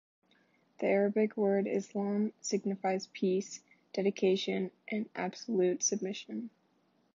The Arabic word Islam signifies peace, dedication and absolute submission.